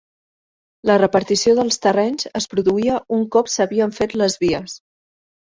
La repartició dels terrenys es produïa un cop s'havien fet les vies.